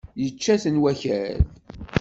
Yečča-ten wakal.